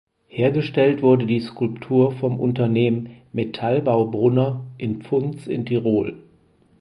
Hergestellt wurde die Skulptur vom Unternehmen "Metallbau Brunner" in Pfunds in Tirol.